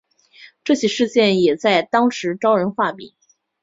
这起事件也在当时招人话柄。